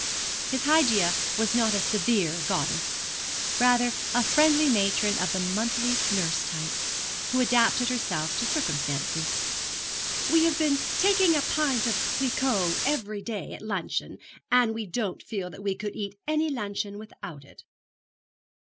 His Hygeia was not a severe goddess rather a friendly matron of the monthly nurse type, who adapted herself to circumstances. 'We have been taking a pint of Cliquot every day at luncheon, and we don't feel that we could eat any luncheon without it.'